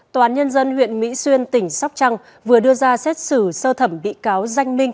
tòa án nhân dân huyện mỹ xuyên tỉnh sóc trăng vừa đưa ra xét xử sơ thẩm bị cáo danh minh